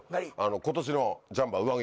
今年のジャンパー上着。